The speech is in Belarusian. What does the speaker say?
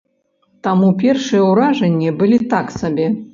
Таму першыя ўражанні былі так сабе.